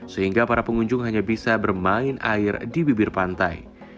sehingga para pengunjung hanya bisa bermain air di bibir pantai